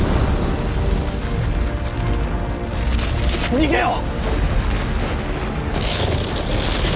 逃げよう！